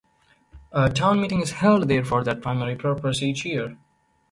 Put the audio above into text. A town meeting is held there for that primary purpose each year.